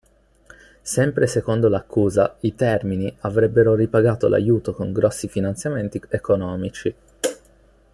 Sempre secondo l'accusa i Termini avrebbero ripagato l'aiuto con grossi finanziamenti economici.